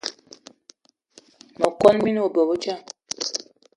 Me kon mina bobedjan.